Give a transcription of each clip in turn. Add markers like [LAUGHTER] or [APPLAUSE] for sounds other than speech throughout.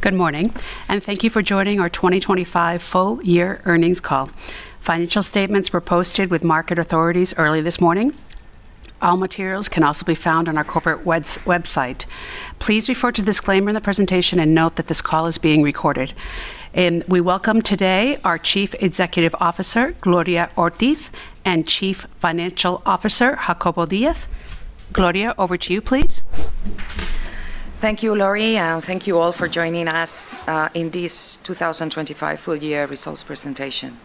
Good morning, and thank you for joining our 2025 full-year earnings call. Financial statements were posted with market authorities early this morning. All materials can also be found on our corporate website. Please refer to the disclaimer in the presentation and note that this call is being recorded, and we welcome today our Chief Executive Officer, Gloria Ortiz, and Chief Financial Officer, Jacobo Díaz. Gloria, over to you, please. Thank you, Laurie, and thank you all for joining us in this 2025 full-year results presentation.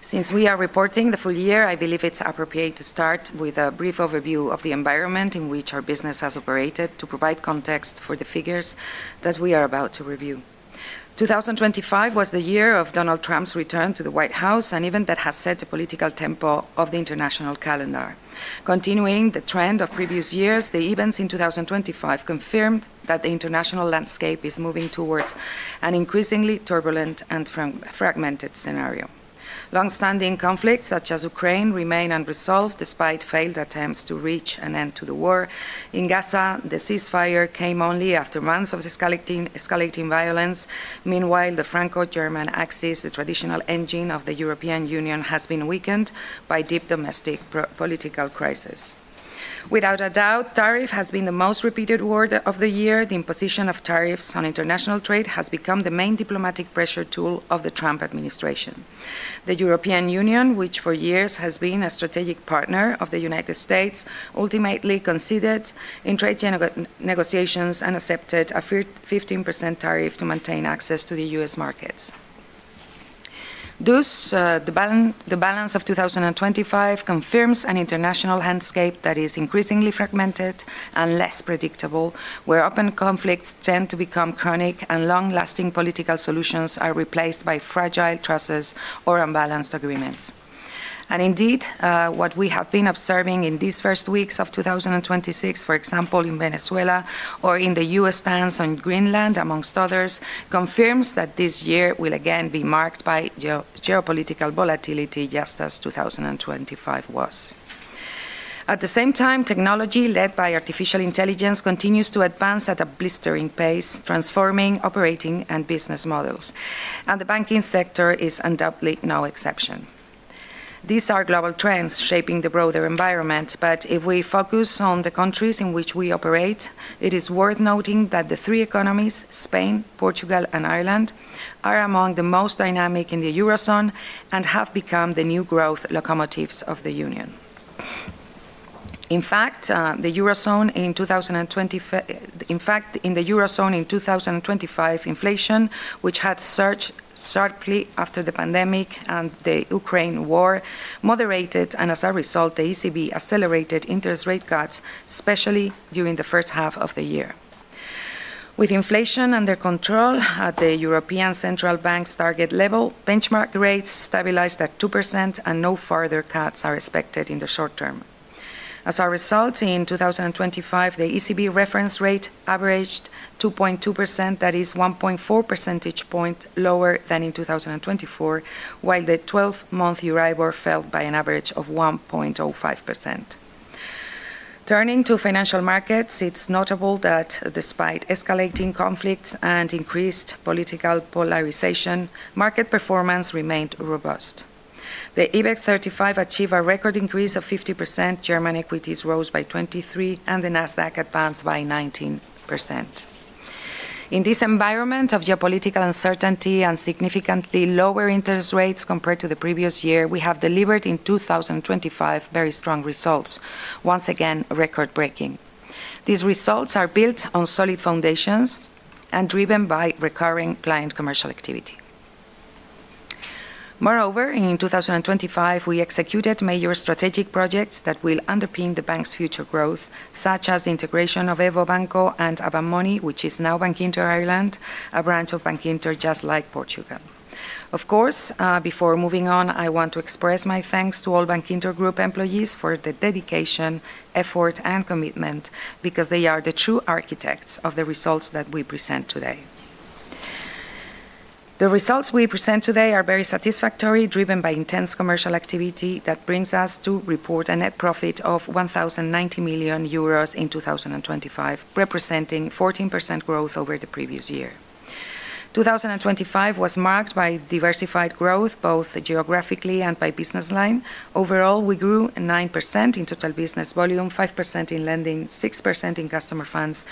Since we are reporting the full year, I believe it's appropriate to start with a brief overview of the environment in which our business has operated to provide context for the figures that we are about to review. 2025 was the year of Donald Trump's return to the White House, an event that has set the political tempo of the international calendar. Continuing the trend of previous years, the events in 2025 confirmed that the international landscape is moving towards an increasingly turbulent and fragmented scenario. Longstanding conflicts such as Ukraine remain unresolved despite failed attempts to reach an end to the war. In Gaza, the ceasefire came only after months of escalating violence. Meanwhile, the Franco-German axis, the traditional engine of the European Union, has been weakened by deep domestic political crisis. Without a doubt, tariff has been the most repeated word of the year. The imposition of tariffs on international trade has become the main diplomatic pressure tool of the Trump administration. The European Union, which for years has been a strategic partner of the United States, ultimately conceded in trade negotiations and accepted a 15% tariff to maintain access to the U.S. markets. The balance of 2025 confirms an international landscape that is increasingly fragmented and less predictable, where open conflicts tend to become chronic and long-lasting political solutions are replaced by fragile truces or unbalanced agreements, and indeed, what we have been observing in these first weeks of 2026, for example, in Venezuela or in the U.S. stance on Greenland, among others, confirms that this year will again be marked by geopolitical volatility just as 2025 was. At the same time, technology led by artificial intelligence continues to advance at a blistering pace, transforming operating and business models, and the banking sector is undoubtedly no exception. These are global trends shaping the broader environment, but if we focus on the countries in which we operate, it is worth noting that the three economies, Spain, Portugal, and Ireland, are among the most dynamic in the Eurozone and have become the new growth locomotives of the union. In fact, the Eurozone in 2025, inflation, which had surged sharply after the pandemic and the Ukraine war, moderated, and as a result, the ECB accelerated interest rate cuts, especially during the first half of the year. With inflation under control at the European Central Bank's target level, benchmark rates stabilized at 2%, and no further cuts are expected in the short term. As a result, in 2025, the ECB reference rate averaged 2.2%, that is, 1.4 percentage points lower than in 2024, while the 12-month Euribor fell by an average of 1.05%. Turning to financial markets, it's notable that despite escalating conflicts and increased political polarization, market performance remained robust. The IBEX 35 achieved a record increase of 50%, German equities rose by 23%, and the Nasdaq advanced by 19%. In this environment of geopolitical uncertainty and significantly lower interest rates compared to the previous year, we have delivered in 2025 very strong results, once again record-breaking. These results are built on solid foundations and driven by recurring client commercial activity. Moreover, in 2025, we executed major strategic projects that will underpin the bank's future growth, such as the integration of EVO Banco and Avant Money, which is now Bankinter Ireland, a branch of Bankinter just like Portugal. Of course, before moving on, I want to express my thanks to all Bankinter Group employees for the dedication, effort, and commitment, because they are the true architects of the results that we present today. The results we present today are very satisfactory, driven by intense commercial activity that brings us to report a net profit of 1,090 million euros in 2025, representing 14% growth over the previous year. 2025 was marked by diversified growth, both geographically and by business line. Overall, we grew 9% in total business volume, 5% in lending, 6% in customer funds,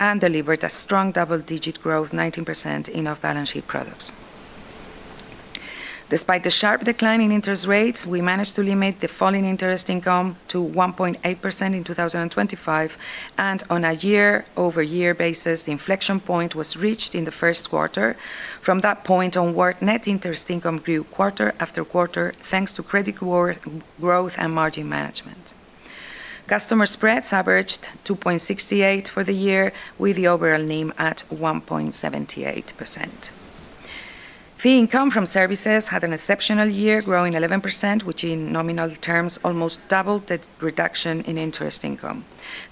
and delivered a strong double-digit growth, 19% in our balance sheet products. Despite the sharp decline in interest rates, we managed to limit the fall in interest income to 1.8% in 2025, and on a year-over-year basis, the inflection point was reached in the first quarter. From that point onward, net interest income grew quarter after quarter, thanks to credit growth and margin management. Customer spreads averaged 2.68% for the year, with the overall NIM at 1.78%. Fee income from services had an exceptional year, growing 11%, which in nominal terms almost doubled the reduction in interest income.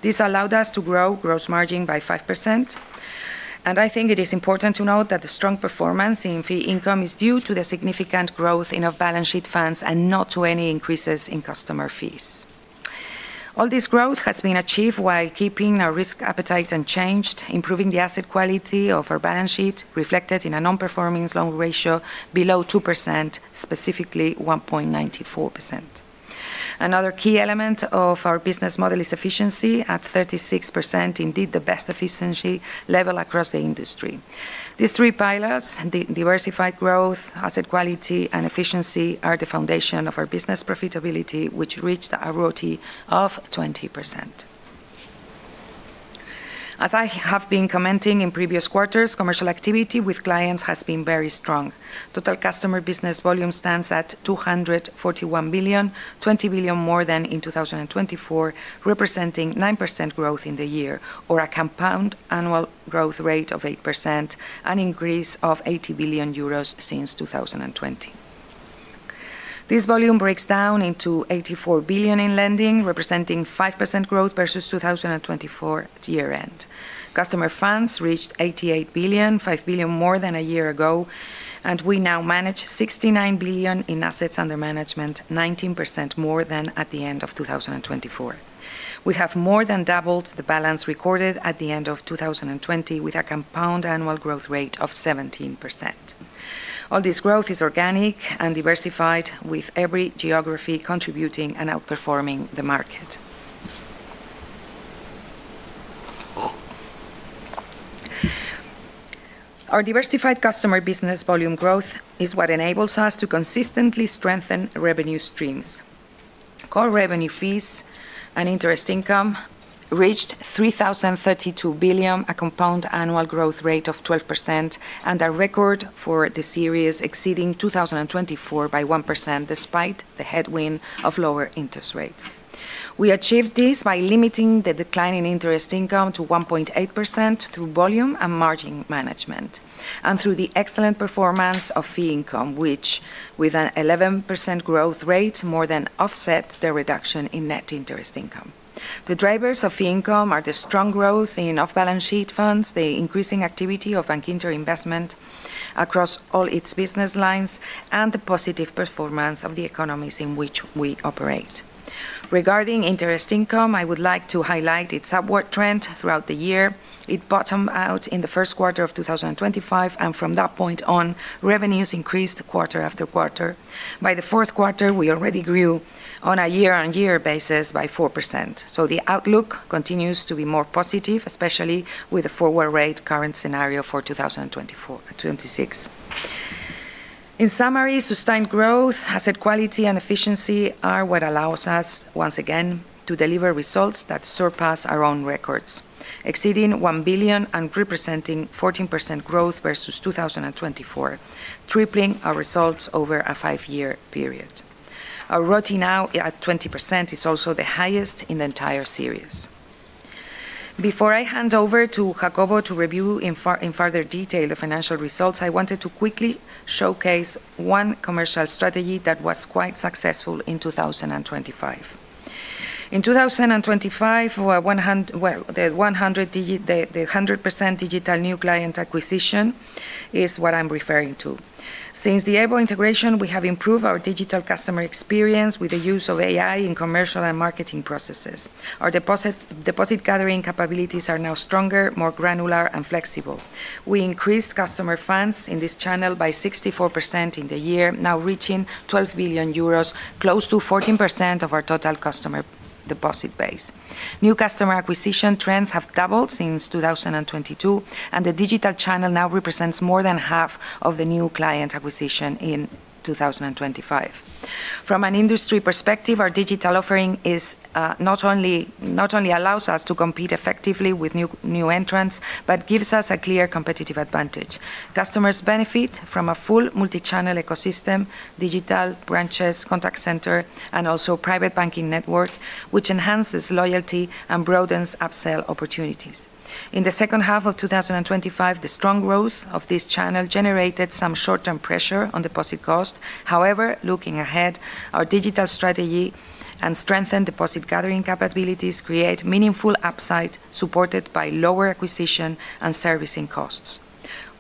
This allowed us to grow gross margin by 5%. And I think it is important to note that the strong performance in fee income is due to the significant growth in our balance sheet funds and not to any increases in customer fees. All this growth has been achieved while keeping our risk appetite unchanged, improving the asset quality of our balance sheet, reflected in a non-performing loan ratio below 2%, specifically 1.94%. Another key element of our business model is efficiency at 36%, indeed the best efficiency level across the industry. These three pillars, diversified growth, asset quality, and efficiency, are the foundation of our business profitability, which reached a ROTE of 20%. As I have been commenting in previous quarters, commercial activity with clients has been very strong. Total customer business volume stands at 241 billion, 20 billion more than in 2024, representing 9% growth in the year, or a compound annual growth rate of 8%, an increase of 80 billion euros since 2020. This volume breaks down into 84 billion in lending, representing 5% growth versus 2024 year-end. Customer funds reached 88 billion, 5 billion more than a year ago, and we now manage 69 billion in assets under management, 19% more than at the end of 2024. We have more than doubled the balance recorded at the end of 2020 with a compound annual growth rate of 17%. All this growth is organic and diversified, with every geography contributing and outperforming the market. Our diversified customer business volume growth is what enables us to consistently strengthen revenue streams. Core revenue fees and interest income reached 3,032 billion, a compound annual growth rate of 12%, and a record for the series exceeding 2024 by 1% despite the headwind of lower interest rates. We achieved this by limiting the decline in interest income to 1.8% through volume and margin management and through the excellent performance of fee income, which, with an 11% growth rate, more than offsets the reduction in net interest income. The drivers of fee income are the strong growth in off-balance sheet funds, the increasing activity of Bankinter Investment across all its business lines, and the positive performance of the economies in which we operate. Regarding interest income, I would like to highlight its upward trend throughout the year. It bottomed out in the first quarter of 2025, and from that point on, revenues increased quarter after quarter. By the fourth quarter, we already grew on a year-on-year basis by 4%. So the outlook continues to be more positive, especially with the forward rate current scenario for 2026. In summary, sustained growth, asset quality, and efficiency are what allows us, once again, to deliver results that surpass our own records, exceeding 1 billion and representing 14% growth versus 2024, tripling our results over a five-year period. Our ROTE now at 20% is also the highest in the entire series. Before I hand over to Jacobo to review in further detail the financial results, I wanted to quickly showcase one commercial strategy that was quite successful in 2025. In 2025, the 100% digital new client acquisition is what I'm referring to. Since the EVO integration, we have improved our digital customer experience with the use of AI in commercial and marketing processes. Our deposit gathering capabilities are now stronger, more granular, and flexible. We increased customer funds in this channel by 64% in the year, now reaching 12 billion euros, close to 14% of our total customer deposit base. New customer acquisition trends have doubled since 2022, and the digital channel now represents more than half of the new client acquisition in 2025. From an industry perspective, our digital offering not only allows us to compete effectively with new entrants, but gives us a clear competitive advantage. Customers benefit from a full multi-channel ecosystem, digital branches, contact center, and also private banking network, which enhances loyalty and broadens upsell opportunities. In the second half of 2025, the strong growth of this channel generated some short-term pressure on deposit costs. However, looking ahead, our digital strategy and strengthened deposit gathering capabilities create meaningful upside supported by lower acquisition and servicing costs.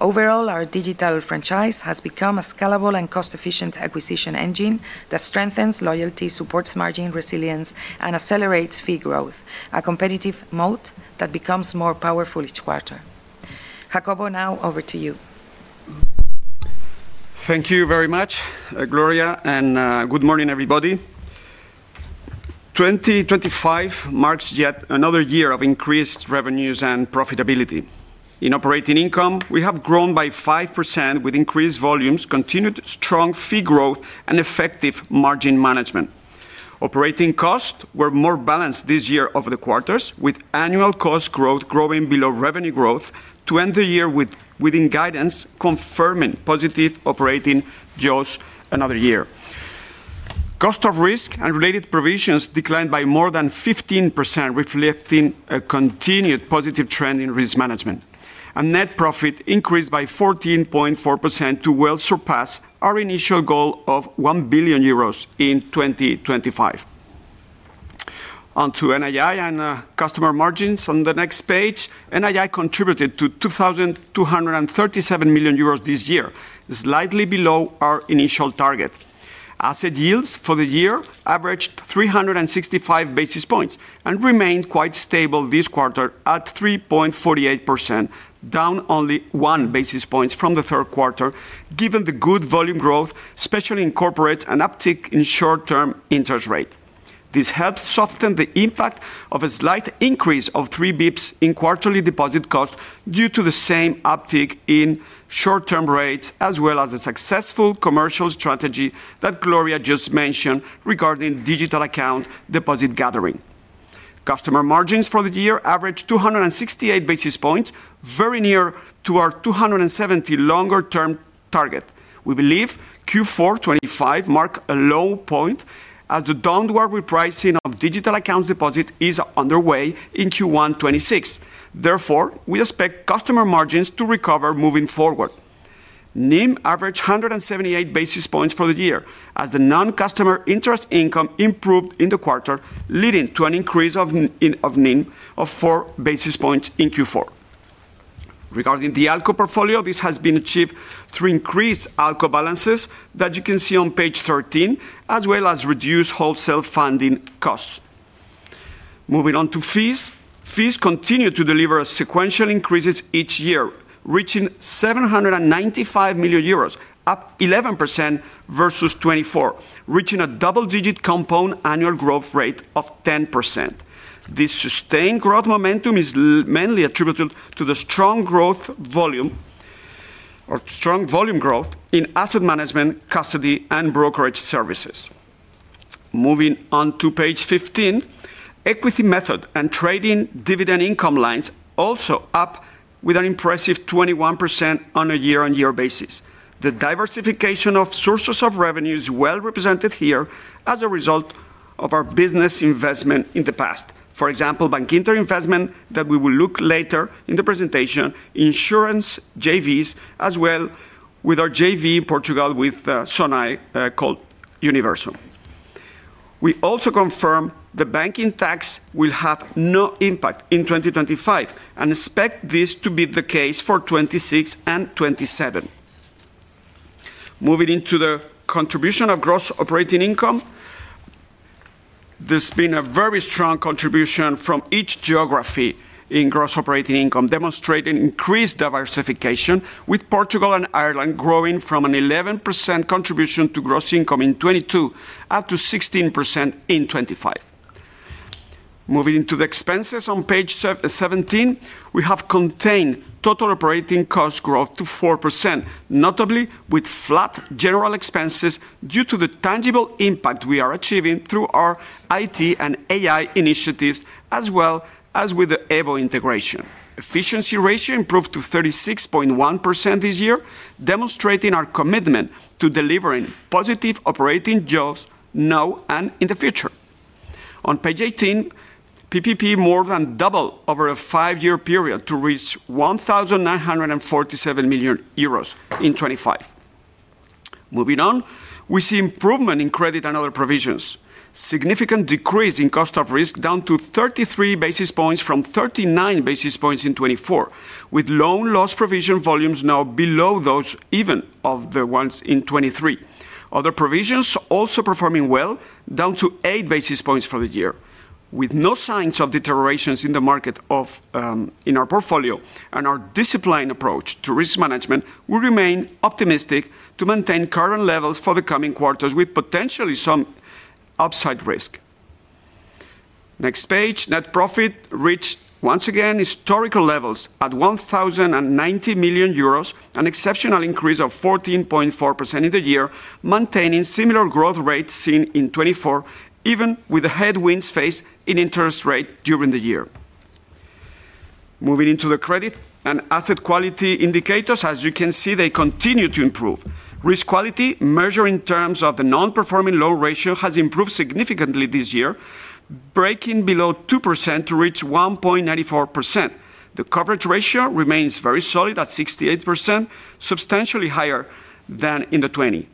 Overall, our digital franchise has become a scalable and cost-efficient acquisition engine that strengthens loyalty, supports margin resilience, and accelerates fee growth, a competitive moat that becomes more powerful each quarter. Jacobo, now over to you. Thank you very much, Gloria, and good morning, everybody. 2025 marks yet another year of increased revenues and profitability. In operating income, we have grown by 5% with increased volumes, continued strong fee growth, and effective margin management. Operating costs were more balanced this year over the quarters, with annual cost growth growing below revenue growth to end the year within guidance, confirming positive operating growth another year. Cost of risk and related provisions declined by more than 15%, reflecting a continued positive trend in risk management. Net profit increased by 14.4% to well surpass our initial goal of 1 billion euros in 2025. Onto NII and customer margins on the next page. NII contributed to 2,237 million euros this year, slightly below our initial target. Asset yields for the year averaged 365 basis points and remained quite stable this quarter at 3.48%, down only 1 basis point from the third quarter, given the good volume growth, especially in corporates and uptick in short-term interest rate. This helped soften the impact of a slight increase of 3 bps in quarterly deposit costs due to the same uptick in short-term rates, as well as the successful commercial strategy that Gloria just mentioned regarding digital account deposit gathering. Customer margins for the year averaged 268 basis points, very near to our 270 longer-term target. We believe Q4 2025 marks a low point as the downward repricing of digital accounts deposit is underway in Q1 2026. Therefore, we expect customer margins to recover moving forward. NIM averaged 178 basis points for the year as the non-customer interest income improved in the quarter, leading to an increase of NIM of 4 basis points in Q4. Regarding the ALCO portfolio, this has been achieved through increased ALCO balances that you can see on page 13, as well as reduced wholesale funding costs. Moving on to fees, fees continue to deliver sequential increases each year, reaching 795 million euros, up 11% versus 2024, reaching a double-digit compound annual growth rate of 10%. This sustained growth momentum is mainly attributed to the strong growth volume or strong volume growth in asset management, custody, and brokerage services. Moving on to page 15, equity method and trading dividend income lines also up with an impressive 21% on a year-on-year basis. The diversification of sources of revenue is well represented here as a result of our business investment in the past. For example, Bankinter Investment that we will look later in the presentation, insurance JVs as well with our JV in Portugal with Sonae called Universo. We also confirm the banking tax will have no impact in 2025 and expect this to be the case for 2026 and 2027. Moving into the contribution of gross operating income, there's been a very strong contribution from each geography in gross operating income, demonstrating increased diversification, with Portugal and Ireland growing from an 11% contribution to gross income in 2022 up to 16% in 2025. Moving into the expenses on page 17, we have contained total operating cost growth to 4%, notably with flat general expenses due to the tangible impact we are achieving through our IT and AI initiatives, as well as with the EVO integration. Efficiency ratio improved to 36.1% this year, demonstrating our commitment to delivering positive operating jaws now and in the future. On page 18, PPP more than doubled over a five-year period to reach 1,947 million euros in 2025. Moving on, we see improvement in credit and other provisions. Significant decrease in cost of risk down to 33 basis points from 39 basis points in 2024, with loan loss provision volumes now below those even of the ones in 2023. Other provisions also performing well, down to 8 basis points for the year. With no signs of deteriorations in the market in our portfolio and our disciplined approach to risk management, we remain optimistic to maintain current levels for the coming quarters with potentially some upside risk. Next page, net profit reached once again historical levels at 1,090 million euros, an exceptional increase of 14.4% in the year, maintaining similar growth rates seen in 2024, even with the headwinds faced in interest rate during the year. Moving into the credit and asset quality indicators, as you can see, they continue to improve. Risk quality, measured in terms of the non-performing loan ratio, has improved significantly this year, breaking below 2% to reach 1.94%. The coverage ratio remains very solid at 68%, substantially higher than in 2020.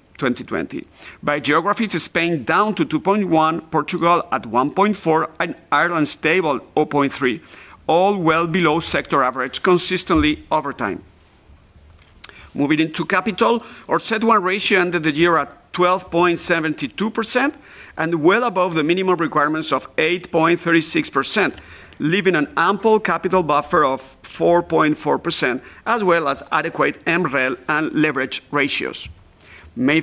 By geographies, Spain down to 2.1%, Portugal at 1.4%, and Ireland stable at 0.3%, all well below sector average consistently over time. Moving into capital, our CET1 ratio ended the year at 12.72% and well above the minimum requirements of 8.36%, leaving an ample capital buffer of 4.4%, as well as adequate MREL and leverage ratios. Main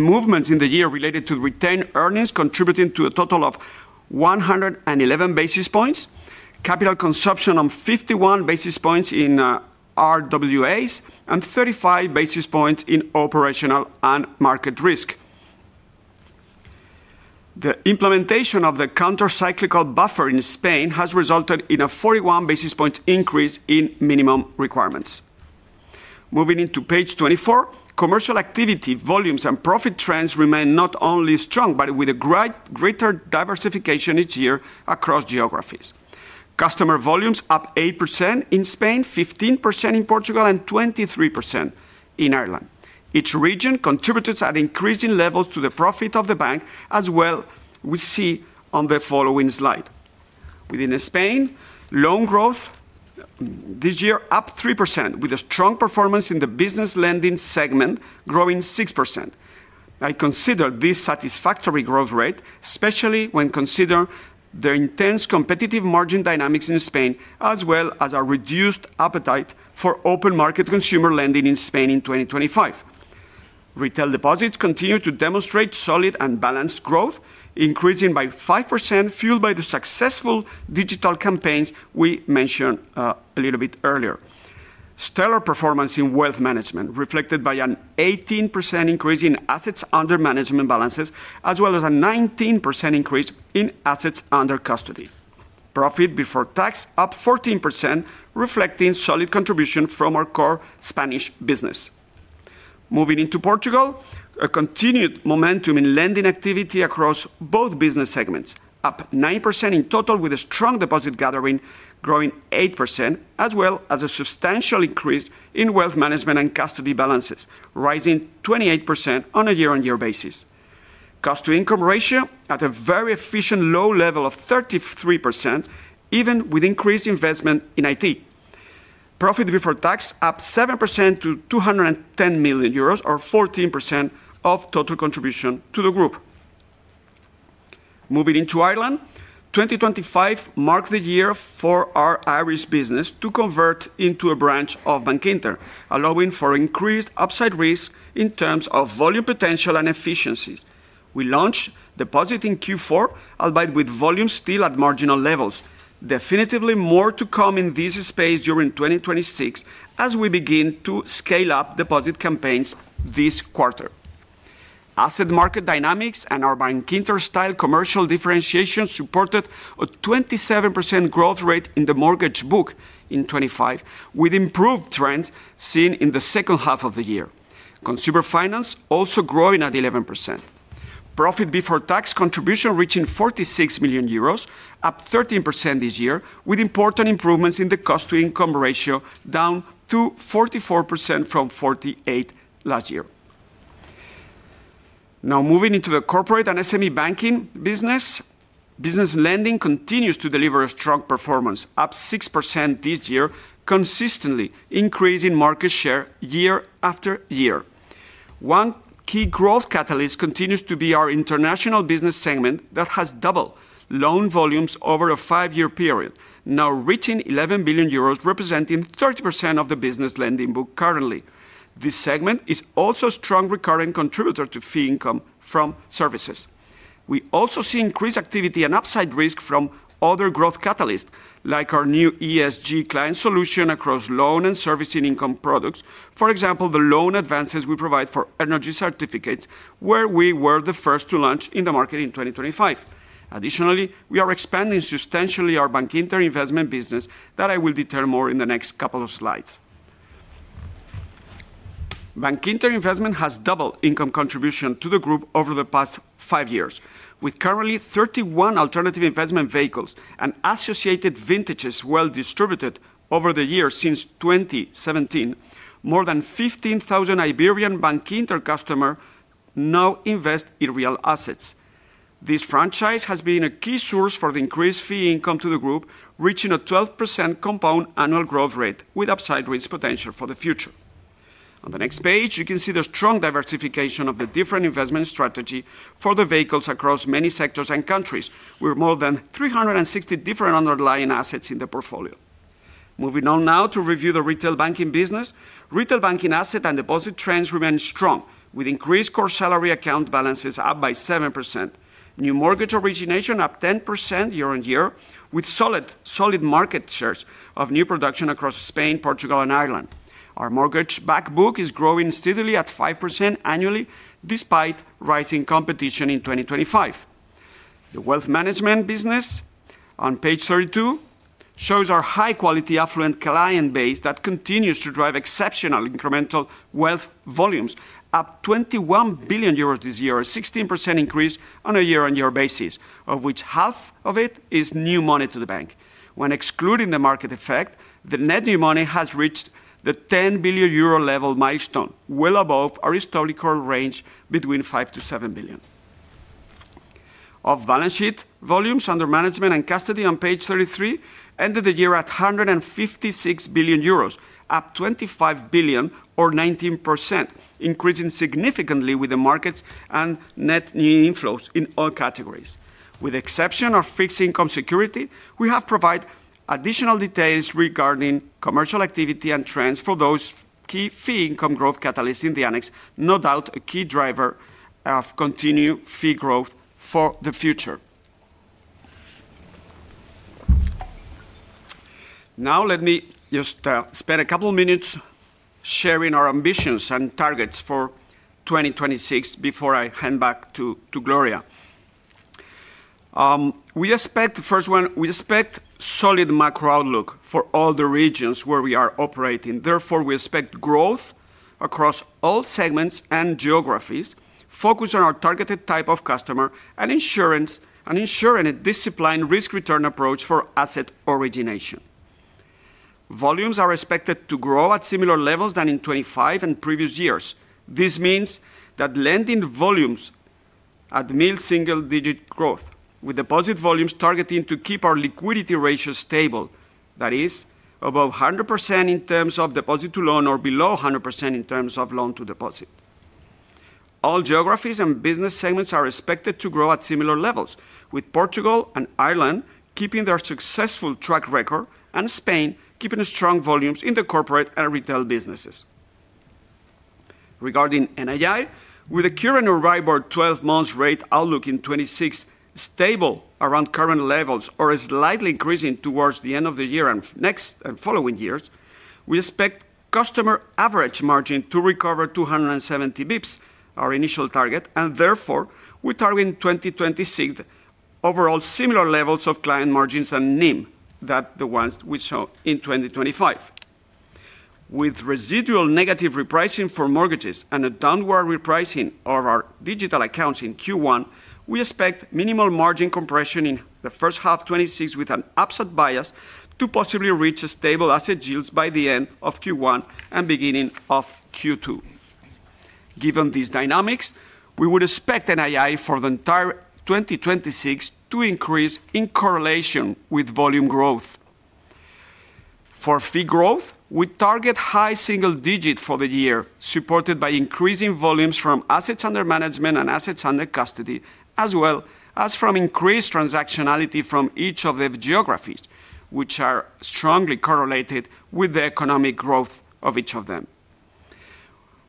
movements in the year related to retained earnings contributing to a total of 111 basis points, capital consumption on 51 basis points in RWAs and 35 basis points in operational and market risk. The implementation of the countercyclical buffer in Spain has resulted in a 41 basis points increase in minimum requirements. Moving into page 24, commercial activity, volumes, and profit trends remain not only strong, but with a greater diversification each year across geographies. Customer volumes up 8% in Spain, 15% in Portugal, and 23% in Ireland. Each region contributed at increasing levels to the profit of the bank, as we'll see on the following slide. Within Spain, loan growth this year up 3% with a strong performance in the business lending segment, growing 6%. I consider this satisfactory growth rate, especially when considering the intense competitive margin dynamics in Spain, as well as a reduced appetite for open market consumer lending in Spain in 2025. Retail deposits continue to demonstrate solid and balanced growth, increasing by 5%, fueled by the successful digital campaigns we mentioned a little bit earlier. Stellar performance in wealth management reflected by an 18% increase in assets under management balances, as well as a 19% increase in assets under custody. Profit before tax up 14%, reflecting solid contribution from our core Spanish business. Moving into Portugal, a continued momentum in lending activity across both business segments up 9% in total with a strong deposit gathering growing 8%, as well as a substantial increase in wealth management and custody balances, rising 28% on a year-on-year basis. Cost-to-income ratio at a very efficient low level of 33%, even with increased investment in IT. Profit before tax up 7% to 210 million euros, or 14% of total contribution to the group. Moving into Ireland, 2025 marked the year for our Irish business to convert into a branch of Bankinter, allowing for increased upside risk in terms of volume potential and efficiencies. We launched deposit in Q4, albeit with volumes still at marginal levels. Definitively more to come in this space during 2026 as we begin to scale up deposit campaigns this quarter. Asset market dynamics and our Bankinter-style commercial differentiation supported a 27% growth rate in the mortgage book in 2025, with improved trends seen in the second half of the year. Consumer finance also growing at 11%. Profit before tax contribution reaching 46 million euros, up 13% this year, with important improvements in the cost-to-income ratio down to 44% from 48% last year. Now moving into the corporate and SME banking business, business lending continues to deliver a strong performance, up 6% this year, consistently increasing market share year after year. One key growth catalyst continues to be our international business segment that has doubled loan volumes over a five-year period, now reaching 11 billion euros, representing 30% of the business lending book currently. This segment is also a strong recurring contributor to fee income from services. We also see increased activity and upside risk from other growth catalysts, like our new ESG client solution across loan and servicing income products, for example, the loan advances we provide for energy certificates, where we were the first to launch in the market in 2025. Additionally, we are expanding substantially our Bankinter Investment business that I will detail more in the next couple of slides. Bankinter Investment has doubled income contribution to the group over the past five years. With currently 31 alternative investment vehicles and associated vintages well distributed over the year since 2017, more than 15,000 Iberian Bankinter customers now invest in real assets. This franchise has been a key source for the increased fee income to the group, reaching a 12% compound annual growth rate with upside risk potential for the future. On the next page, you can see the strong diversification of the different investment strategy for the vehicles across many sectors and countries, with more than 360 different underlying assets in the portfolio. Moving on now to review the retail banking business, retail banking asset and deposit trends remain strong, with increased core salary account balances up by 7%, new mortgage origination up 10% year on year, with solid market shares of new production across Spain, Portugal, and Ireland. Our mortgage back book is growing steadily at 5% annually, despite rising competition in 2025. The wealth management business on page 32 shows our high-quality affluent client base that continues to drive exceptional incremental wealth volumes, up 21 billion euros this year, a 16% increase on a year-on-year basis, of which half of it is new money to the bank. When excluding the market effect, the net new money has reached the 10 billion euro level milestone, well above our historical range between 5 billion-7 billion. Off-balance-sheet volumes, under management and custody on page 33, ended the year at 156 billion euros, up 25 billion, or 19%, increasing significantly with the markets and net new inflows in all categories. With the exception of fixed income security, we have provided additional details regarding commercial activity and trends for those key fee income growth catalysts in the annex, no doubt a key driver of continued fee growth for the future. Now let me just spend a couple of minutes sharing our ambitions and targets for 2026 before I hand back to Gloria. We expect solid macro outlook for all the regions where we are operating. Therefore, we expect growth across all segments and geographies, focus on our targeted type of customer and ensuring a disciplined risk-return approach for asset origination. Volumes are expected to grow at similar levels than in 2025 and previous years. This means that lending volumes at mild single-digit growth, with deposit volumes targeting to keep our liquidity ratio stable, that is, above 100% in terms of deposit to loan or below 100% in terms of loan to deposit. All geographies and business segments are expected to grow at similar levels, with Portugal and Ireland keeping their successful track record and Spain keeping strong volumes in the corporate and retail businesses. Regarding NII, with the current Euribor 12-month rate outlook in 2026 stable around current levels or slightly increasing towards the end of the year and next and following years, we expect customer average margin to recover 270 basis points, our initial target, and therefore we target in 2026 overall similar levels of client margins and NIM to the ones we saw in 2025. With residual negative repricing for mortgages and a downward repricing of our digital accounts in Q1, we expect minimal margin compression in the first half of 2026 with an upside bias to possibly reach stable asset yields by the end of Q1 and beginning of Q2. Given these dynamics, we would expect NII for the entire 2026 to increase in correlation with volume growth. For fee growth, we target high single-digit for the year, supported by increasing volumes from assets under management and assets under custody, as well as from increased transactionality from each of the geographies, which are strongly correlated with the economic growth of each of them.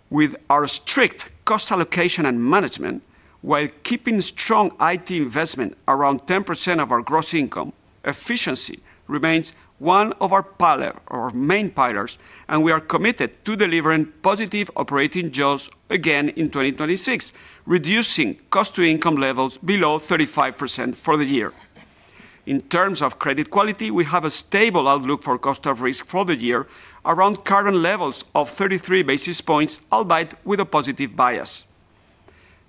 With our strict cost allocation and management, while keeping strong IT investment around 10% of our gross income, efficiency remains one of our main pillars, and we are committed to delivering positive operating jaws again in 2026, reducing cost-to-income levels below 35% for the year. In terms of credit quality, we have a stable outlook for cost of risk for the year around current levels of 33 basis points, albeit with a positive bias,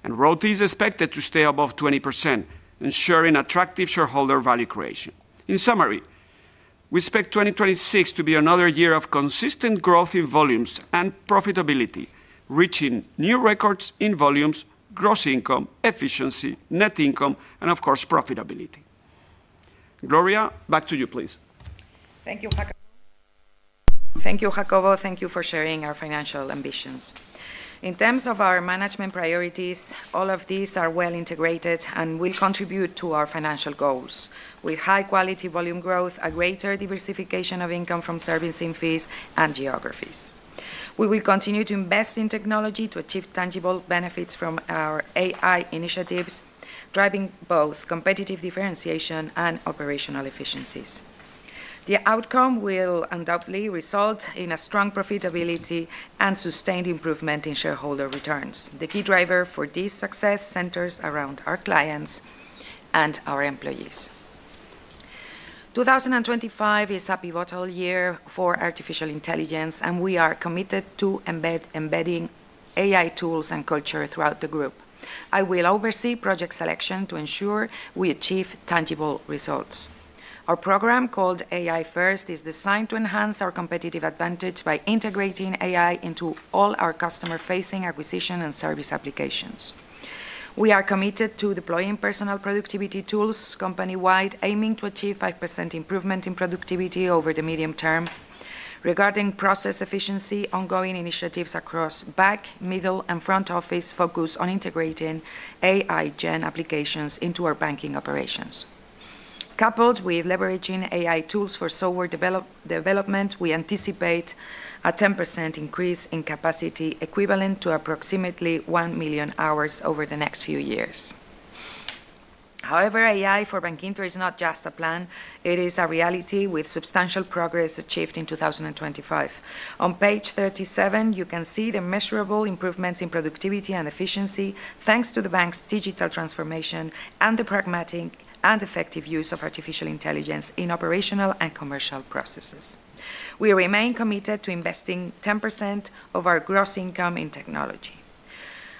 and ROTE is expected to stay above 20%, ensuring attractive shareholder value creation. In summary, we expect 2026 to be another year of consistent growth in volumes and profitability, reaching new records in volumes, gross income, efficiency, net income, and of course, profitability. Gloria, back to you, please. Thank you, Jacobo. Thank you, Jacobo, thank you for sharing our financial ambitions. In terms of our management priorities, all of these are well integrated and will contribute to our financial goals, with high-quality volume growth, a greater diversification of income from servicing fees and geographies. We will continue to invest in technology to achieve tangible benefits from our AI initiatives, driving both competitive differentiation and operational efficiencies. The outcome will undoubtedly result in a strong profitability and sustained improvement in shareholder returns. The key driver for this success centers around our clients and our employees. 2025 is a pivotal year for artificial intelligence, and we are committed to embedding AI tools and culture throughout the group. I will oversee project selection to ensure we achieve tangible results. Our program called AI First is designed to enhance our competitive advantage by integrating AI into all our customer-facing acquisition and service applications. We are committed to deploying personal productivity tools company-wide, aiming to achieve 5% improvement in productivity over the medium term. Regarding process efficiency, ongoing initiatives across back, middle, and front office focus on integrating AI-gen applications into our banking operations. Coupled with leveraging AI tools for software development, we anticipate a 10% increase in capacity equivalent to approximately 1 million hours over the next few years. However, AI for Bankinter is not just a plan. It is a reality with substantial progress achieved in 2025. On page 37, you can see the measurable improvements in productivity and efficiency thanks to the bank's digital transformation and the pragmatic and effective use of artificial intelligence in operational and commercial processes. We remain committed to investing 10% of our gross income in technology.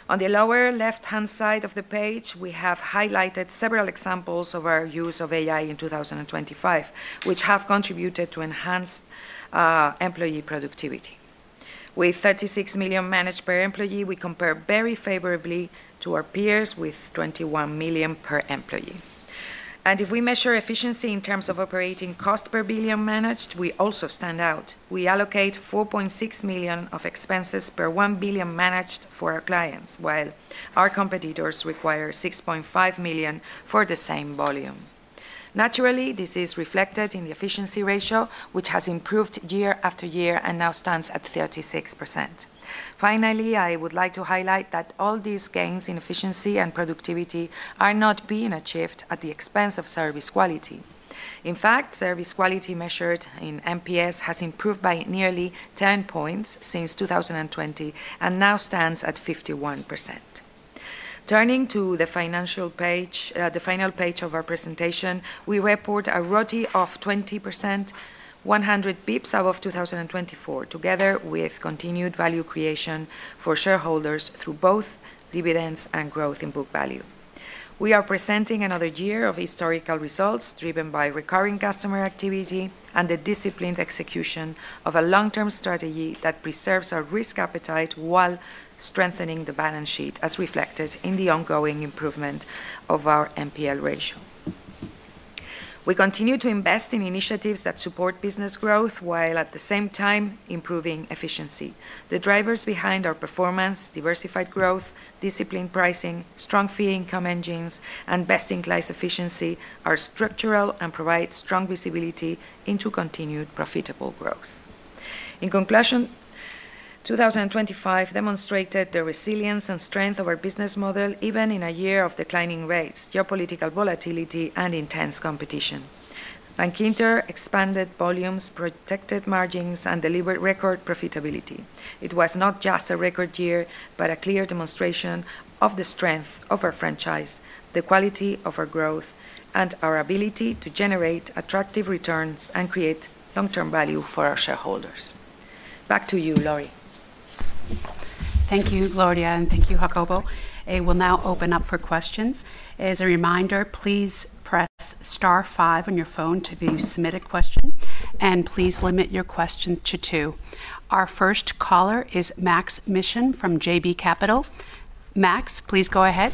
On the lower left-hand side of the page, we have highlighted several examples of our use of AI in 2025, which have contributed to enhanced employee productivity. With 36 million managed per employee, we compare very favorably to our peers with 21 million per employee. If we measure efficiency in terms of operating cost per billion managed, we also stand out. We allocate 4.6 million of expenses per one billion managed for our clients, while our competitors require 6.5 million for the same volume. Naturally, this is reflected in the efficiency ratio, which has improved year after year and now stands at 36%. Finally, I would like to highlight that all these gains in efficiency and productivity are not being achieved at the expense of service quality. In fact, service quality measured in NPS has improved by nearly 10 points since 2020 and now stands at 51%. Turning to the financial page, the final page of our presentation, we report a ROTE of 20%, 100 bps above 2024, together with continued value creation for shareholders through both dividends and growth in book value. We are presenting another year of historical results driven by recurring customer activity and the disciplined execution of a long-term strategy that preserves our risk appetite while strengthening the balance sheet as reflected in the ongoing improvement of our NPL ratio. We continue to invest in initiatives that support business growth while at the same time improving efficiency. The drivers behind our performance, diversified growth, disciplined pricing, strong fee income engines, and best-in-class efficiency are structural and provide strong visibility into continued profitable growth. In conclusion, 2025 demonstrated the resilience and strength of our business model even in a year of declining rates, geopolitical volatility, and intense competition. Bankinter expanded volumes, protected margins, and delivered record profitability. It was not just a record year, but a clear demonstration of the strength of our franchise, the quality of our growth, and our ability to generate attractive returns and create long-term value for our shareholders. Back to you, Laurie. Thank you, Gloria, and thank you, Jacobo. I will now open up for questions. As a reminder, please press star five on your phone to submit a question, and please limit your questions to two. Our first caller is Max Mishyn from JB Capital. Max, please go ahead.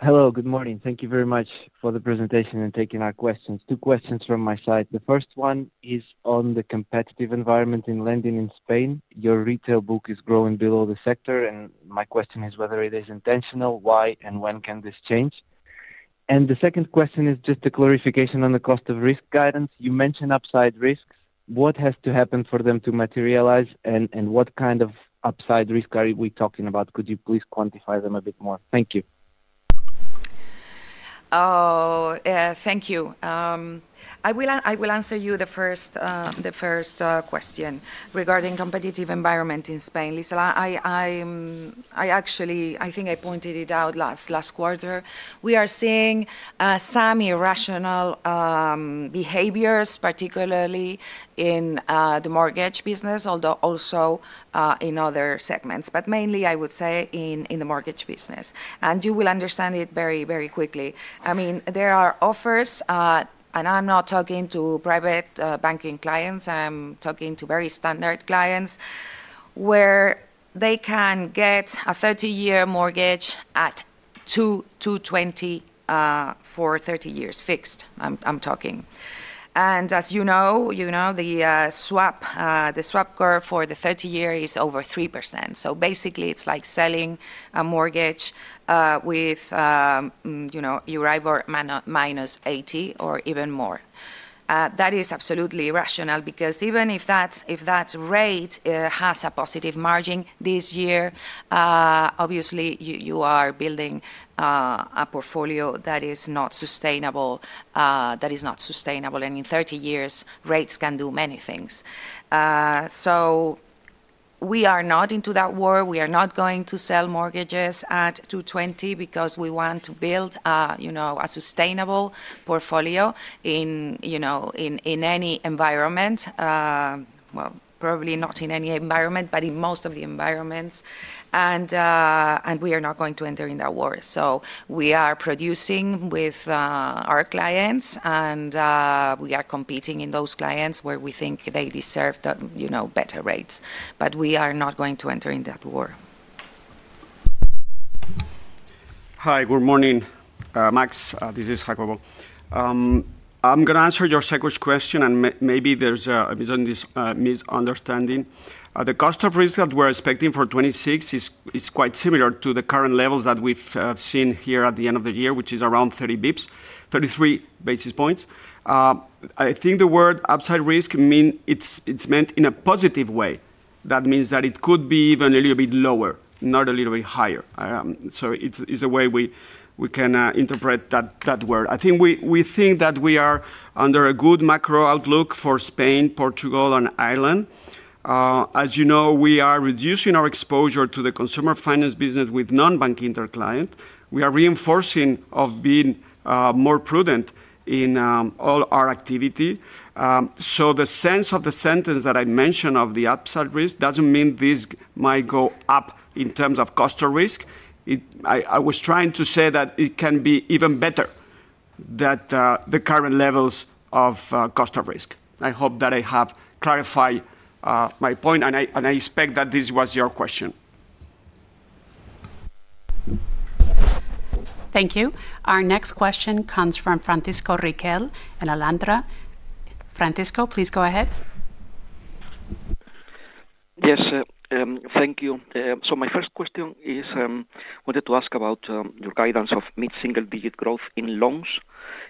Hello, good morning. Thank you very much for the presentation and taking our questions. Two questions from my side. The first one is on the competitive environment in lending in Spain. Your retail book is growing below the sector, and my question is whether it is intentional, why, and when can this change? And the second question is just a clarification on the cost of risk guidance. You mentioned upside risks. What has to happen for them to materialize, and what kind of upside risk are we talking about? Could you please quantify them a bit more? Thank you. Oh, thank you. I will answer you the first question regarding competitive environment in Spain. [AUDIO DISTORTION] I actually, I think I pointed it out last quarter. We are seeing semi-rational behaviors, particularly in the mortgage business, although also in other segments, but mainly, I would say, in the mortgage business. You will understand it very, very quickly. I mean, there are offers, and I'm not talking to private banking clients, I'm talking to very standard clients, where they can get a 30-year mortgage at 220 for 30 years fixed, I'm talking. And as you know, the swap, the swap curve for the 30-year is over 3%. So basically, it's like selling a mortgage with, you know, you arrive at -80 or even more. That is absolutely irrational because even if that rate has a positive margin this year, obviously, you are building a portfolio that is not sustainable, that is not sustainable, and in 30 years, rates can do many things. So we are not into that war. We are not going to sell mortgages at 220 because we want to build a sustainable portfolio in any environment, well, probably not in any environment, but in most of the environments, and we are not going to enter in that war, so we are producing with our clients, and we are competing in those clients where we think they deserve better rates, but we are not going to enter in that war. Hi, good morning. Max, this is Jacobo. I'm going to answer your second question, and maybe there's a misunderstanding. The cost of risk that we're expecting for 26 is quite similar to the current levels that we've seen here at the end of the year, which is around 30 bps, 33 basis points. I think the word upside risk means it's meant in a positive way. That means that it could be even a little bit lower, not a little bit higher. So it's the way we can interpret that word. I think we think that we are under a good macro outlook for Spain, Portugal, and Ireland. As you know, we are reducing our exposure to the consumer finance business with non-bank interclient. We are reinforcing of being more prudent in all our activity. So the sense of the sentence that I mentioned of the upside risk doesn't mean this might go up in terms of cost of risk. I was trying to say that it can be even better than the current levels of cost of risk. I hope that I have clarified my point, and I expect that this was your question. Thank you. Our next question comes from Francisco Riquel from Alantra. Francisco, please go ahead. Yes, thank you. My first question is, I wanted to ask about your guidance of mid-single-digit growth in loans.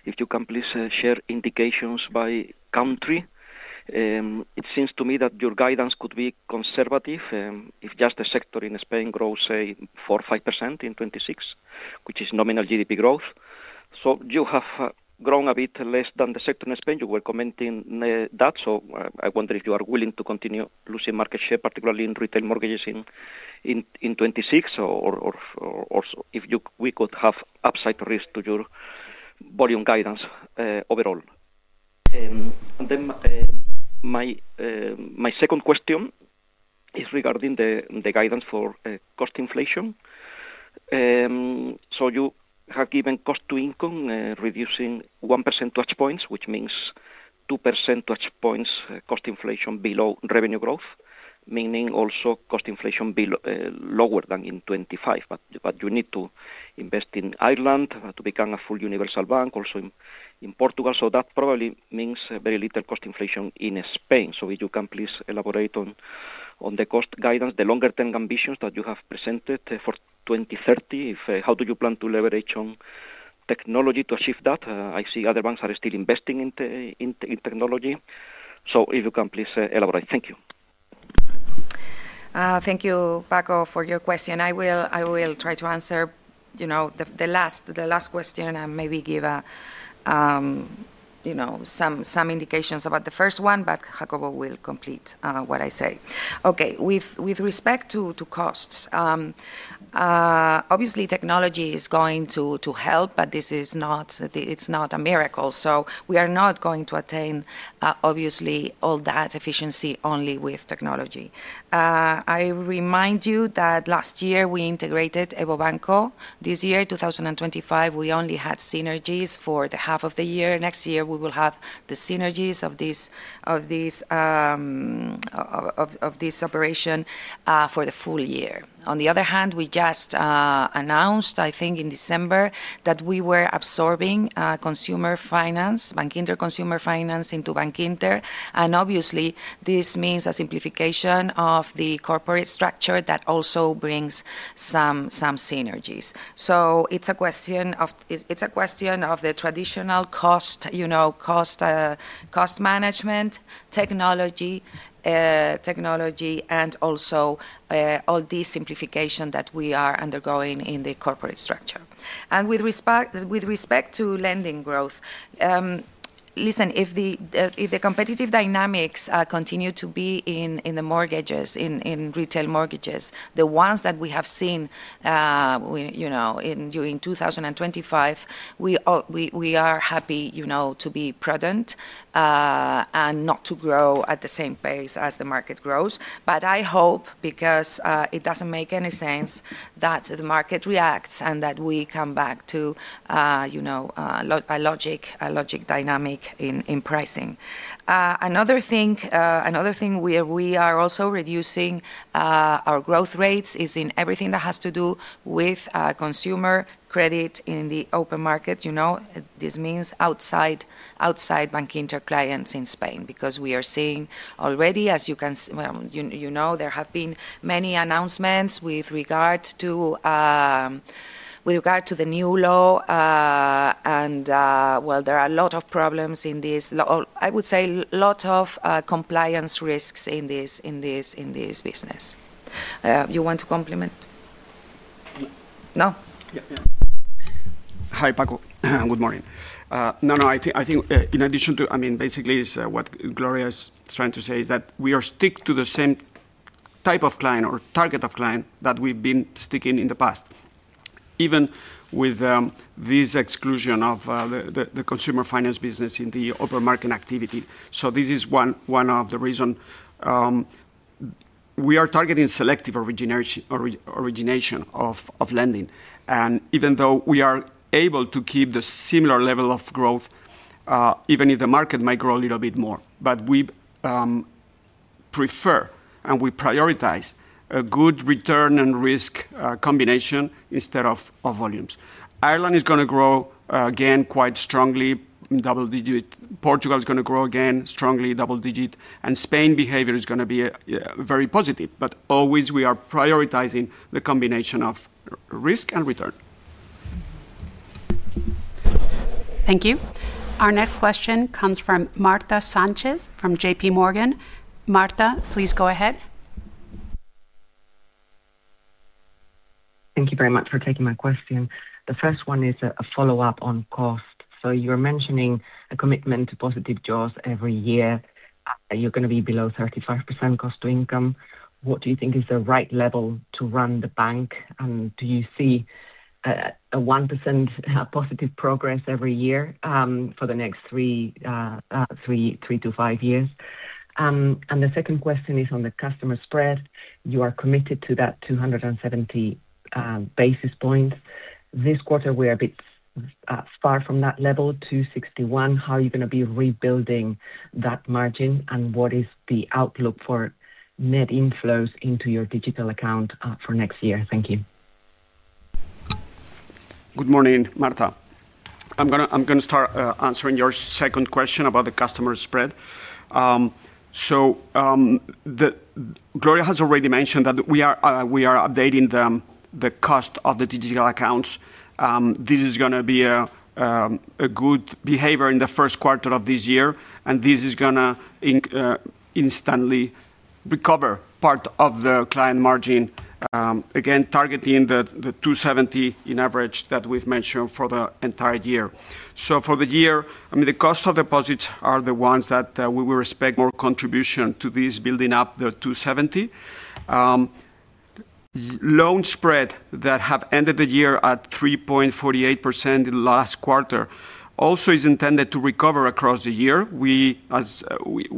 If you can please share indications by country. It seems to me that your guidance could be conservative if just a sector in Spain grows, say, 4%-5% in 2026, which is nominal GDP growth. You have grown a bit less than the sector in Spain. You were commenting that, so I wonder if you are willing to continue losing market share, particularly in retail mortgages in 2026, or if we could have upside risk to your volume guidance overall? And then my second question is regarding the guidance for cost inflation. You have given cost to income reducing 1% touch points, which means 2% touch points cost inflation below revenue growth, meaning also cost inflation lower than in 2025. But you need to invest in Ireland to become a full universal bank, also in Portugal. So that probably means very little cost inflation in Spain. So if you can please elaborate on the cost guidance, the longer-term ambitions that you have presented for 2030, how do you plan to leverage on technology to achieve that? I see other banks are still investing in technology. So if you can please elaborate. Thank you. Thank you, Paco, for your question. I will try to answer the last question and maybe give some indications about the first one, but Jacobo will complete what I say. Okay, with respect to costs, obviously, technology is going to help, but it's not a miracle. So we are not going to attain, obviously, all that efficiency only with technology. I remind you that last year we integrated EVO Banco. This year, 2025, we only had synergies for the half of the year. Next year, we will have the synergies of this operation for the full year. On the other hand, we just announced, I think, in December that we were absorbing consumer finance, Bankinter Consumer Finance into Bankinter, and obviously, this means a simplification of the corporate structure that also brings some synergies. So it's a question of the traditional cost management, technology, and also all the simplification that we are undergoing in the corporate structure. And with respect to lending growth, listen, if the competitive dynamics continue to be in the mortgages, in retail mortgages, the ones that we have seen during 2025, we are happy to be prudent and not to grow at the same pace as the market grows. But I hope, because it doesn't make any sense, that the market reacts and that we come back to a logical dynamic in pricing. Another thing where we are also reducing our growth rates is in everything that has to do with consumer credit in the open market. This means outside Bankinter clients in Spain because we are seeing already, as you can see, there have been many announcements with regard to the new law, and well, there are a lot of problems in this. I would say a lot of compliance risks in this business. You want to comment? No? Hi, Paco. Good morning. No, no, I think in addition to, I mean, basically, what Gloria is trying to say is that we are sticking to the same type of client or target of client that we've been sticking in the past, even with this exclusion of the consumer finance business in the open market activity. So this is one of the reasons we are targeting selective origination of lending. And even though we are able to keep the similar level of growth, even if the market might grow a little bit more, but we prefer and we prioritize a good return and risk combination instead of volumes. Ireland is going to grow again quite strongly, double-digit. Portugal is going to grow again strongly, double-digit. And Spain's behavior is going to be very positive, but always we are prioritizing the combination of risk and return. Thank you. Our next question comes from Marta Sánchez from JPMorgan. Marta, please go ahead. Thank you very much for taking my question. The first one is a follow-up on cost. So you're mentioning a commitment to positive jaws every year. You're going to be below 35% cost to income. What do you think is the right level to run the bank? And do you see a 1% positive progress every year for the next 3-5 years? And the second question is on the customer spread. You are committed to that 270 basis points. This quarter, we are a bit far from that level, 261. How are you going to be rebuilding that margin? And what is the outlook for net inflows into your digital account for next year? Thank you. Good morning, Marta. I'm going to start answering your second question about the customer spread. Gloria has already mentioned that we are updating the cost of the digital accounts. This is going to be a good behavior in the first quarter of this year, and this is going to instantly recover part of the client margin, again, targeting the 270 in average that we've mentioned for the entire year. For the year, I mean, the cost of deposits are the ones that we will expect more contribution to this building up the 270. Loan spread that have ended the year at 3.48% in the last quarter also is intended to recover across the year. We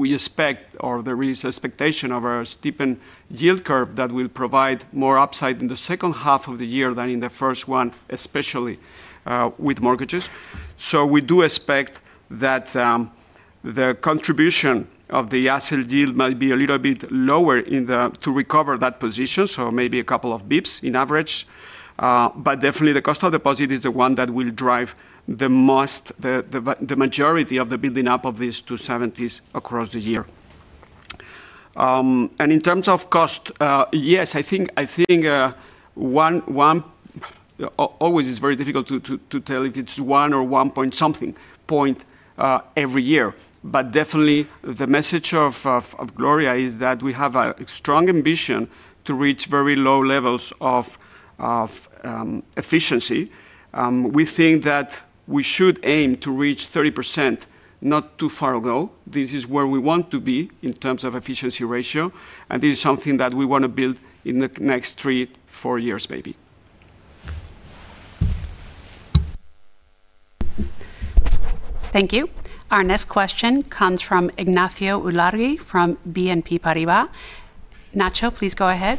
expect, or there is expectation of a steepened yield curve that will provide more upside in the second half of the year than in the first one, especially with mortgages. So we do expect that the contribution of the asset yield might be a little bit lower to recover that position, so maybe a couple of basis points in average. But definitely, the cost of deposit is the one that will drive the majority of the building up of these 270s across the year. And in terms of cost, yes, I think one always is very difficult to tell if it's one or one point something point every year. But definitely, the message of Gloria is that we have a strong ambition to reach very low levels of efficiency. We think that we should aim to reach 30% not too far ago. This is where we want to be in terms of efficiency ratio, and this is something that we want to build in the next three, four years, maybe. Thank you. Our next question comes from Ignacio Ulargui from BNP Paribas. Nacio, please go ahead.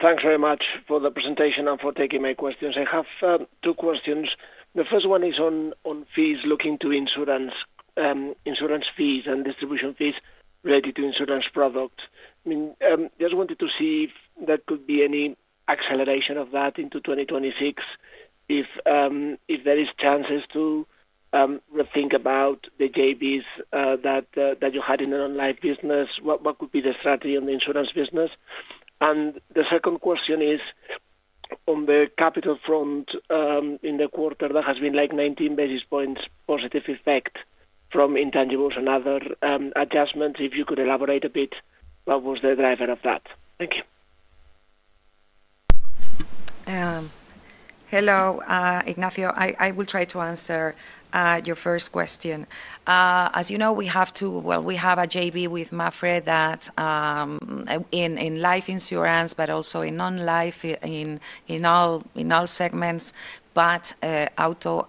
Thanks very much for the presentation and for taking my questions. I have two questions. The first one is on fees, looking to insurance fees and distribution fees related to insurance products. I mean, just wanted to see if there could be any acceleration of that into 2026, if there are chances to rethink about the JVs that you had in an online business, what could be the strategy in the insurance business? And the second question is on the capital front in the quarter that has been like 19 basis points positive effect from intangibles and other adjustments. If you could elaborate a bit, what was the driver of that? Thank you. Hello, Ignacio. I will try to answer your first question. As you know, we have to, well, we have a JV with Mapfre that in life insurance, but also in non-life, in all segments, but auto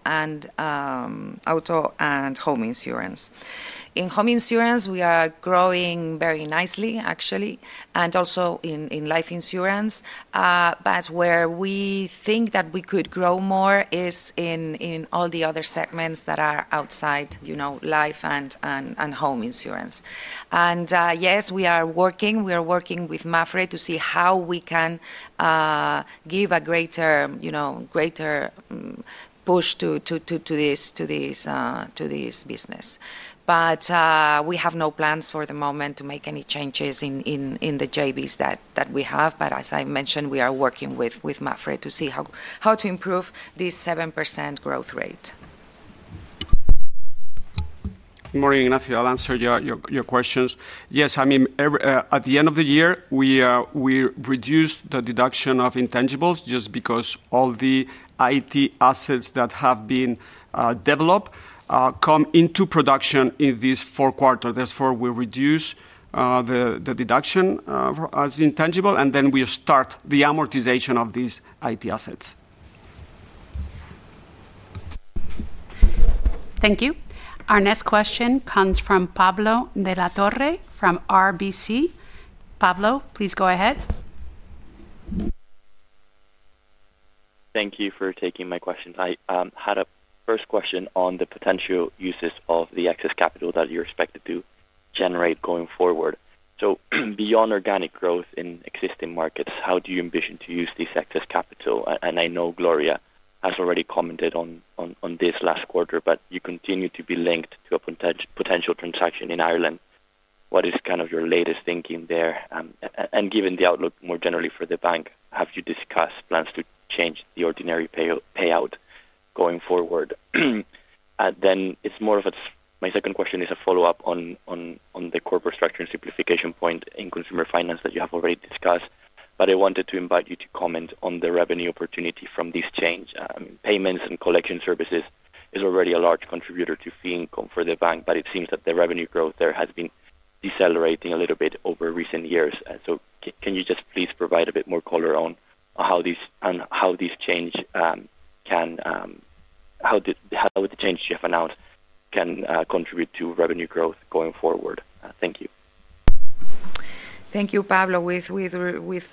and home insurance. In home insurance, we are growing very nicely, actually, and also in life insurance, but where we think that we could grow more is in all the other segments that are outside life and home insurance, and yes, we are working. We are working with Mapfre to see how we can give a greater push to this business, but we have no plans for the moment to make any changes in the JVs that we have, but as I mentioned, we are working with Mapfre to see how to improve this 7% growth rate. Good morning, Ignacio. I'll answer your questions. Yes, I mean, at the end of the year, we reduced the deduction of intangibles just because all the IT assets that have been developed come into production in this fourth quarter. Therefore, we reduce the deduction as intangible, and then we start the amortization of these IT assets. Thank you. Our next question comes from Pablo de la Torre from RBC. Pablo, please go ahead. Thank you for taking my question. I had a first question on the potential uses of the excess capital that you're expected to generate going forward. So beyond organic growth in existing markets, how do you envision to use this excess capital? And I know Gloria has already commented on this last quarter, but you continue to be linked to a potential transaction in Ireland. What is kind of your latest thinking there? Given the outlook more generally for the bank, have you discussed plans to change the ordinary payout going forward? It's more of a, my second question is a follow-up on the corporate structure and simplification point in consumer finance that you have already discussed, but I wanted to invite you to comment on the revenue opportunity from this change. Payments and collection services is already a large contributor to fee income for the bank, but it seems that the revenue growth there has been decelerating a little bit over recent years. Can you just please provide a bit more color on how this change can, how the change you have announced can contribute to revenue growth going forward? Thank you. Thank you, Pablo. With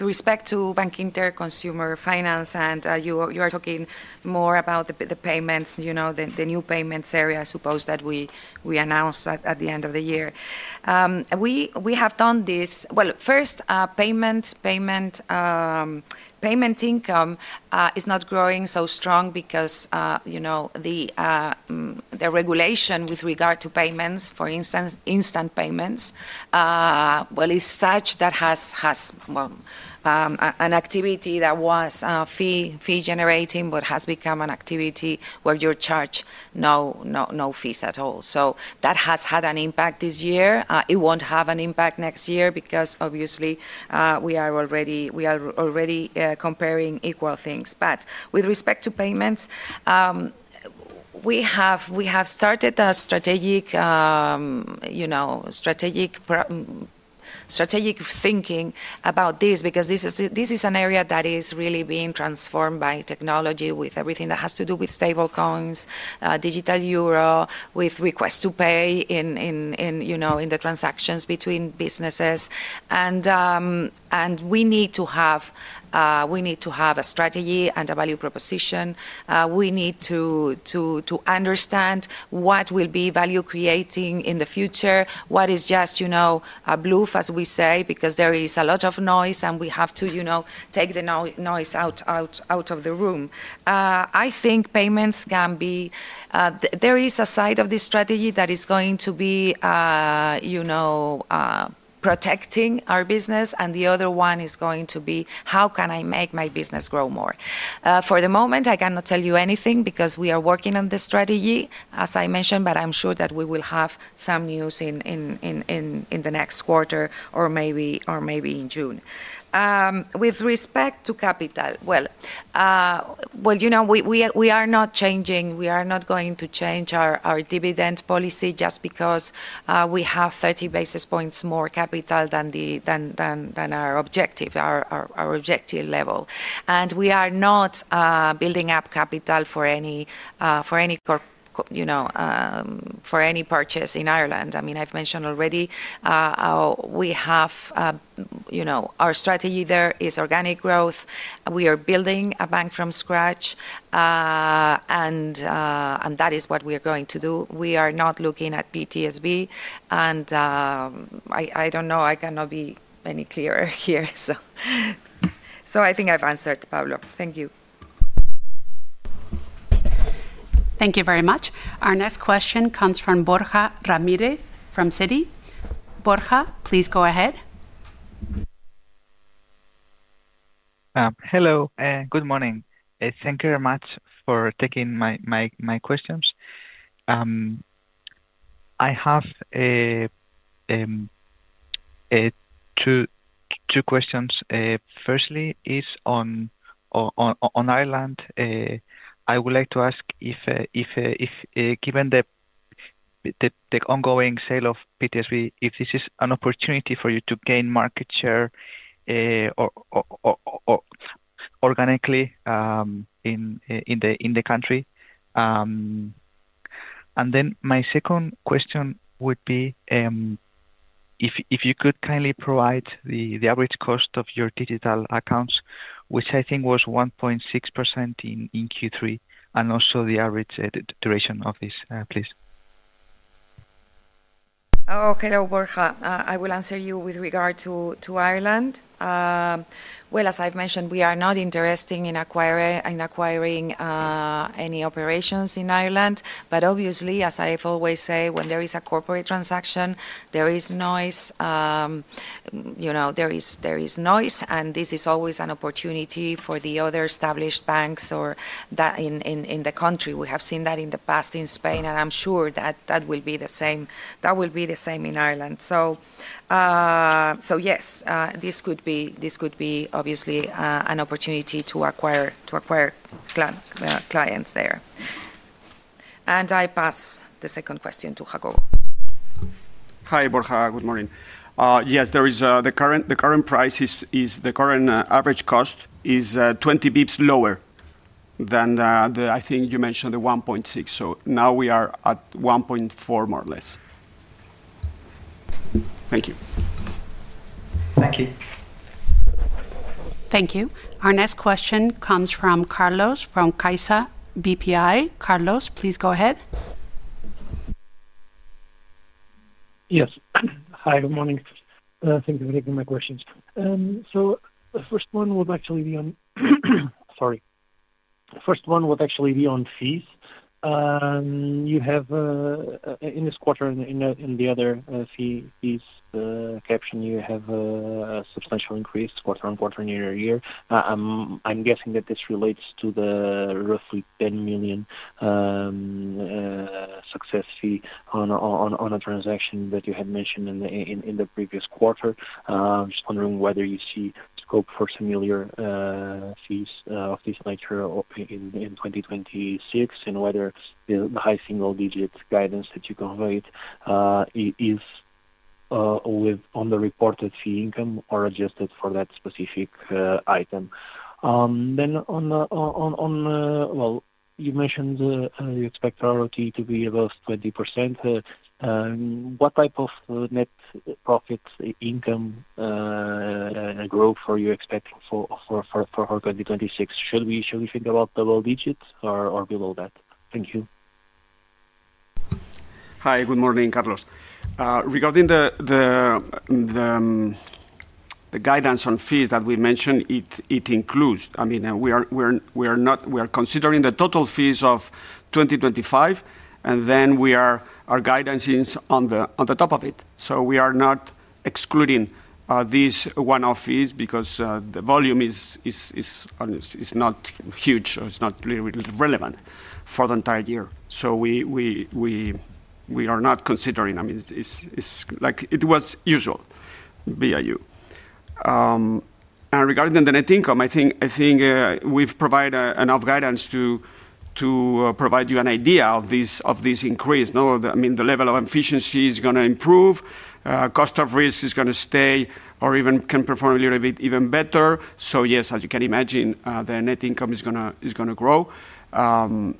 respect to Bankinter Consumer Finance, and you are talking more about the payments, the new payments area, I suppose, that we announced at the end of the year. We have done this, well, first, payment income is not growing so strong because the regulation with regard to payments, for instance, instant payments, well, is such that has an activity that was fee generating, but has become an activity where you're charged no fees at all. So that has had an impact this year. It won't have an impact next year because, obviously, we are already comparing equal things. But with respect to payments, we have started a strategic thinking about this because this is an area that is really being transformed by technology with everything that has to do with stable coins, digital euro, with request to pay in the transactions between businesses. And we need to have a strategy and a value proposition. We need to understand what will be value creating in the future, what is just a bluff, as we say, because there is a lot of noise, and we have to take the noise out of the room. I think payments can be, there is a side of this strategy that is going to be protecting our business, and the other one is going to be, how can I make my business grow more? For the moment, I cannot tell you anything because we are working on the strategy, as I mentioned, but I'm sure that we will have some news in the next quarter or maybe in June. With respect to capital, well, we are not changing, we are not going to change our dividend policy just because we have 30 basis points more capital than our objective level. And we are not building up capital for any purchase in Ireland. I mean, I've mentioned already we have our strategy there is organic growth. We are building a bank from scratch, and that is what we are going to do. We are not looking at PTSB, and I don't know, I cannot be any clearer here. So I think I've answered, Pablo. Thank you. Thank you very much. Our next question comes from Borja Ramírez from Citi. Borja, please go ahead. Hello, good morning. Thank you very much for taking my questions. I have two questions. this is on Ireland. I would like to ask if, given the ongoing sale of PTSB, if this is an opportunity for you to gain market share organically in the country. Then my second question would be if you could kindly provide the average cost of your digital accounts, which I think was 1.6% in Q3, and also the average duration of this, please. Okay, Borja, I will answer you with regard to Ireland. As I've mentioned, we are not interested in acquiring any operations in Ireland, but obviously, as I've always said, when there is a corporate transaction, there is noise. There is noise, and this is always an opportunity for the other established banks in the country. We have seen that in the past in Spain, and I'm sure that that will be the same in Ireland. So yes, this could be obviously an opportunity to acquire clients there. And I pass the second question to Jacobo. Hi, Borja. Good morning. Yes, the current price is, the current average cost is 20 basis points lower than the, I think you mentioned the 1.6. So now we are at 1.4 more or less. Thank you. Thank you. Thank you. Our next question comes from Carlos from Caixa BPI. Carlos, please go ahead. Yes. Hi, good morning. Thank you for taking my questions. So the first one would actually be on, sorry. The first one would actually be on fees. You have in this quarter, in the other fees caption, you have a substantial increase quarter on quarter year-over-year. I'm guessing that this relates to the roughly 10 million success fee on a transaction that you had mentioned in the previous quarter. I'm just wondering whether you see scope for similar fees of this nature in 2026 and whether the high single digit guidance that you conveyed is on the reported fee income or adjusted for that specific item. Then on, well, you mentioned you expect ROTE to be above 20%. What type of net interest income growth are you expecting for 2026? Should we think about double digits or below that? Thank you. Hi, good morning, Carlos. Regarding the guidance on fees that we mentioned, it includes, I mean, we are considering the total fees of 2025, and then our guidance is on the top of it. So we are not excluding these one-off fees because the volume is not huge or it's not really relevant for the entire year. So we are not considering, I mean, it was usual BAU. And regarding the net income, I think we've provided enough guidance to provide you an idea of this increase. I mean, the level of efficiency is going to improve. Cost of risk is going to stay or even can perform a little bit even better. So yes, as you can imagine, the net income is going to grow. And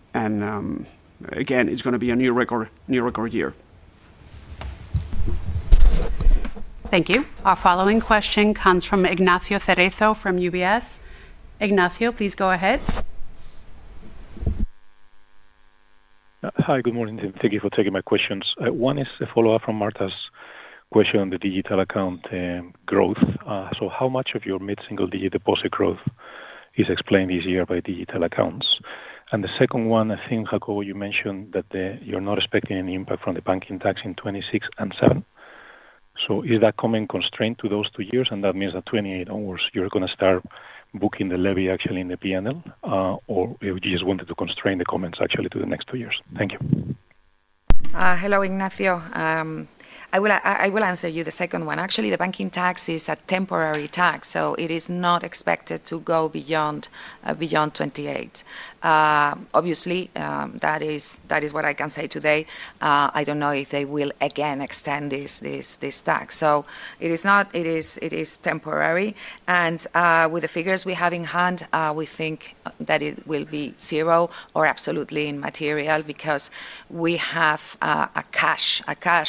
again, it's going to be a new record year. Thank you. Our following question comes from Ignacio Cerezo from UBS. Ignacio, please go ahead. Hi, good morning. Thank you for taking my questions. One is a follow-up from Marta's question on the digital account growth. So how much of your mid-single digit deposit growth is explained this year by digital accounts? And the second one, I think Jacobo, you mentioned that you're not expecting any impact from the banking tax in 2026 and 2027. So is that coming constrained to those two years? And that means that 2028 onwards, you're going to start booking the levy actually in the P&L, or you just wanted to constrain the comments actually to the next two years? Thank you. Hello, Ignacio. I will answer you the second one. Actually, the banking tax is a temporary tax, so it is not expected to go beyond 2028. Obviously, that is what I can say today. I don't know if they will again extend this tax. So it is temporary. And with the figures we have in hand, we think that it will be zero or absolutely immaterial because we have a cash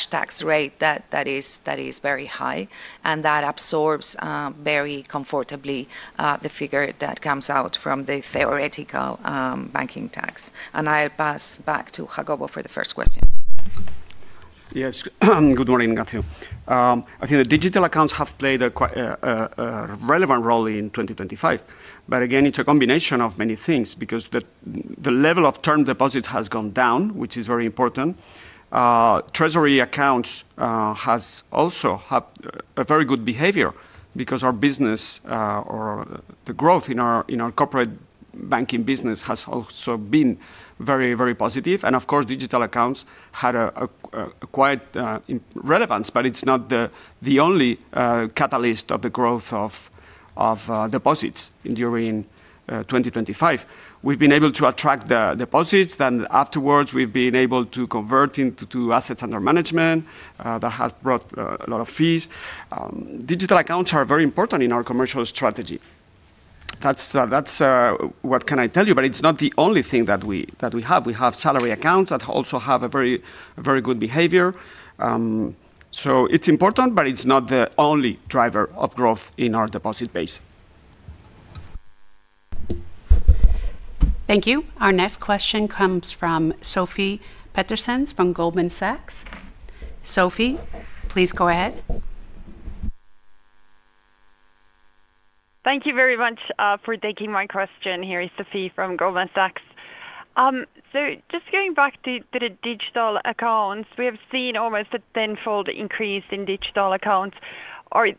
tax rate that is very high, and that absorbs very comfortably the figure that comes out from the theoretical banking tax. And I'll pass back to Jacobo for the first question. Yes, good morning, Ignacio. I think the digital accounts have played a relevant role in 2025, but again, it's a combination of many things because the level of term deposit has gone down, which is very important. Treasury accounts have also had a very good behavior because our business or the growth in our corporate banking business has also been very, very positive, and of course, digital accounts had quite relevance, but it's not the only catalyst of the growth of deposits during 2025. We've been able to attract the deposits, then afterwards we've been able to convert into assets under management that have brought a lot of fees. Digital accounts are very important in our commercial strategy. That's what can I tell you, but it's not the only thing that we have. We have salary accounts that also have a very good behavior. So it's important, but it's not the only driver of growth in our deposit base. Thank you. Our next question comes from Sofie Peterzens from Goldman Sachs. Sofie, please go ahead. Thank you very much for taking my question. Here is Sofie from Goldman Sachs. So just going back to the digital accounts, we have seen almost a tenfold increase in digital accounts. Could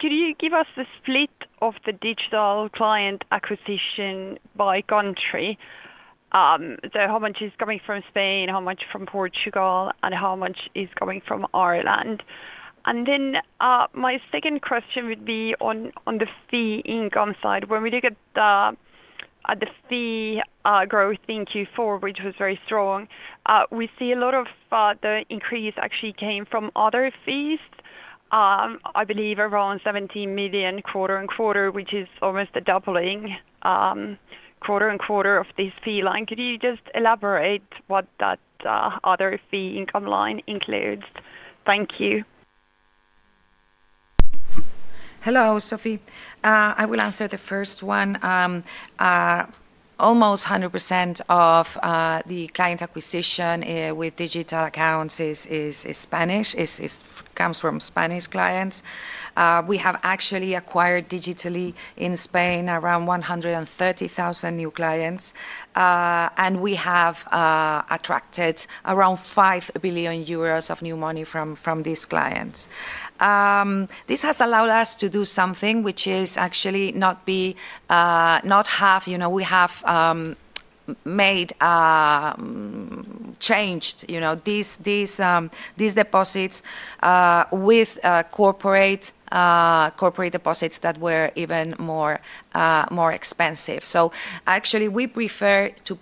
you give us the split of the digital client acquisition by country? So how much is coming from Spain, how much from Portugal, and how much is coming from Ireland? And then my second question would be on the fee income side. When we look at the fee growth in Q4, which was very strong, we see a lot of the increase actually came from other fees, I believe around 17 million quarter on quarter, which is almost a doubling quarter on quarter of this fee line. Could you just elaborate what that other fee income line includes? Thank you. Hello, Sofie. I will answer the first one. Almost 100% of the client acquisition with digital accounts is Spanish, comes from Spanish clients. We have actually acquired digitally in Spain around 130,000 new clients, and we have attracted around 5 billion euros of new money from these clients. This has allowed us to do something which is actually not have, we have changed these deposits with corporate deposits that were even more expensive. Actually, we prefer to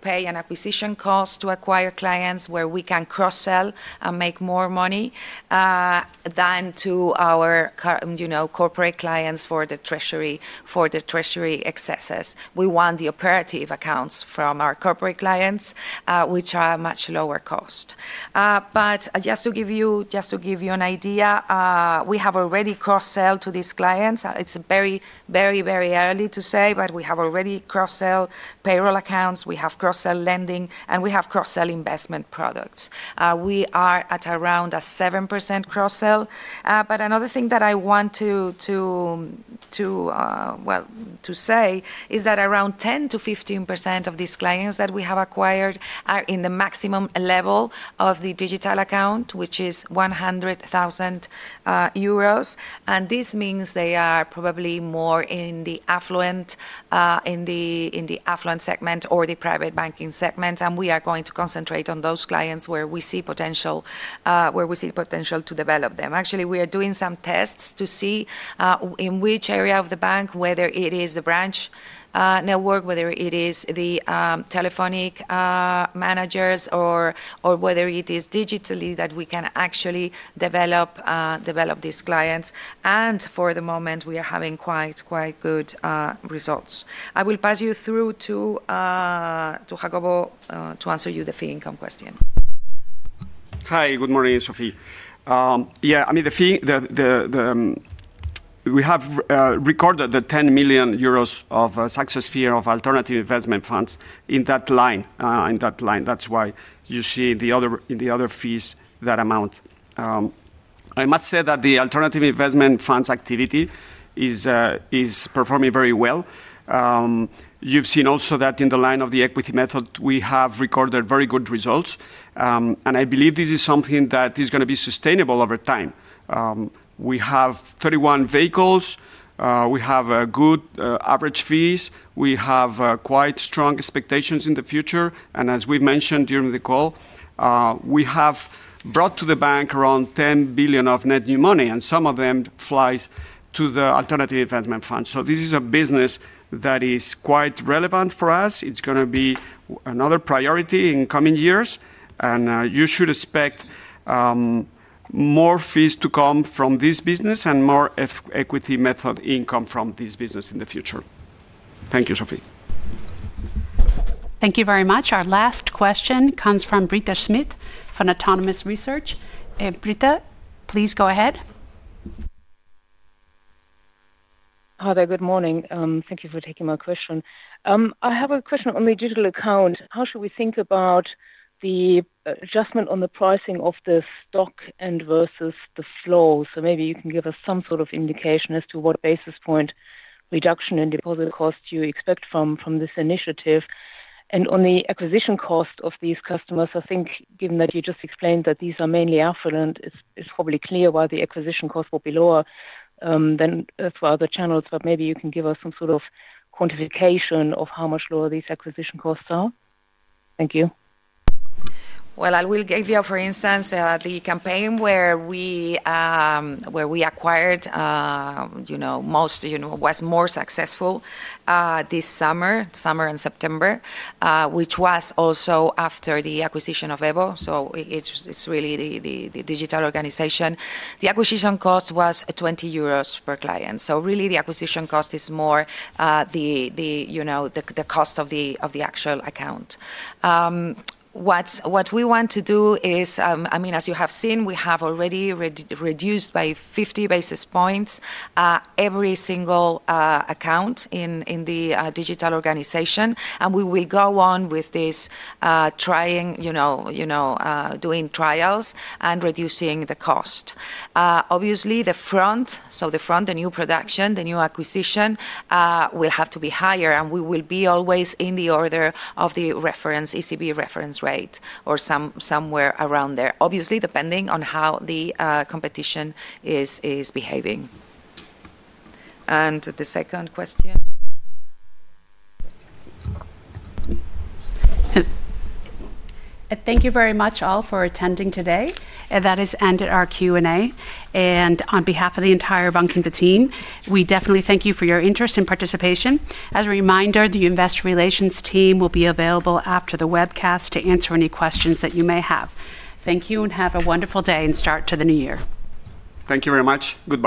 pay an acquisition cost to acquire clients where we can cross-sell and make more money than to our corporate clients for the treasury excesses. We want the operative accounts from our corporate clients, which are much lower cost. But just to give you an idea, we have already cross-sold to these clients. It's very, very, very early to say, but we have already cross-sold payroll accounts, we have cross-sold lending, and we have cross-sold investment products. We are at around a 7% cross-sell. But another thing that I want to say is that around 10%-15% of these clients that we have acquired are in the maximum level of the digital account, which is 100,000 euros. And this means they are probably more in the affluent segment or the private banking segment. And we are going to concentrate on those clients where we see potential to develop them. Actually, we are doing some tests to see in which area of the bank, whether it is the branch network, whether it is the telephonic managers, or whether it is digitally that we can actually develop these clients. And for the moment, we are having quite good results. I will pass you through to Jacobo to answer you the fee income question. Hi, good morning, Sofie. Yeah, I mean, we have recorded the 10 million euros of success fee of alternative investment funds in that line. That's why you see in the other fees that amount. I must say that the alternative investment funds activity is performing very well. You've seen also that in the line of the equity method, we have recorded very good results. I believe this is something that is going to be sustainable over time. We have 31 vehicles. We have good average fees. We have quite strong expectations in the future. And as we mentioned during the call, we have brought to the bank around 10 billion of net new money, and some of them flies to the alternative investment funds. So this is a business that is quite relevant for us. It's going to be another priority in coming years. And you should expect more fees to come from this business and more equity method income from this business in the future. Thank you, Sofie. Thank you very much. Our last question comes from Britta Schmidt from Autonomous Research. Britta, please go ahead. Hi, good morning. Thank you for taking my question. I have a question on the digital account. How should we think about the adjustment on the pricing of the stock and versus the flow? So maybe you can give us some sort of indication as to what basis point reduction in deposit costs you expect from this initiative. And on the acquisition cost of these customers, I think given that you just explained that these are mainly affluent, it's probably clear why the acquisition cost will be lower than throughout the channels. But maybe you can give us some sort of quantification of how much lower these acquisition costs are. Thank you. Well, I will give you, for instance, the campaign where we acquired most was more successful this summer and September, which was also after the acquisition of EVO. So it's really the digital organization. The acquisition cost was 20 euros per client. So really, the acquisition cost is more the cost of the actual account. What we want to do is, I mean, as you have seen, we have already reduced by 50 basis points every single account in the digital organization. And we will go on with this trying, doing trials and reducing the cost. Obviously, the front, the new production, the new acquisition will have to be higher, and we will be always in the order of the reference ECB reference rate or somewhere around there, obviously, depending on how the competition is behaving. And the second question. Thank you very much all for attending today. That has ended our Q&A. And on behalf of the entire banking team, we definitely thank you for your interest and participation. As a reminder, the Investor Relations team will be available after the webcast to answer any questions that you may have. Thank you and have a wonderful day and start to the new year. Thank you very much. Goodbye.